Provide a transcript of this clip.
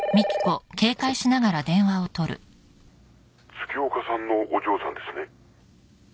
☎☎☎月岡さんのお嬢さんですね？